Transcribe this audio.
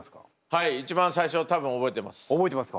はい一番最初多分覚えてます。